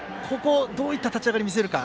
どういった立ち上がりを見せるか。